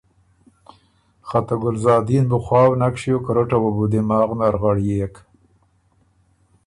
خه ته ګلزادین بُو خواؤ نک ݭیوک، رټه وه بو دماغ نر غړيېک،